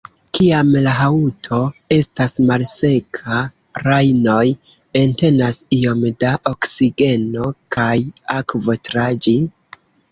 Kiam la haŭto estas malseka, ranoj entenas iom da oksigeno kaj akvo tra ĝi.